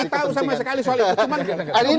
saya nggak tahu sama sekali soal itu